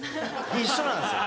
一緒なんですよ。